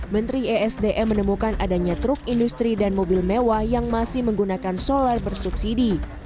menteri esdm menemukan adanya truk industri dan mobil mewah yang masih menggunakan solar bersubsidi